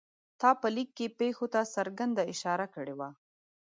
تا په لیک کې پېښو ته څرګنده اشاره کړې وه.